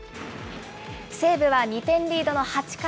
西武は２点リードの８回。